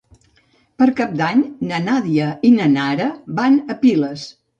Per Cap d'Any na Nàdia i na Nara van a Piles.